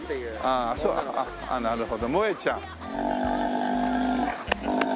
あっなるほどモエちゃん。